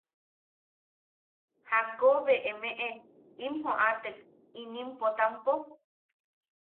–¿Jakko be emeʼe im joʼatek inim Potampo?